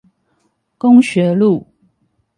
公學路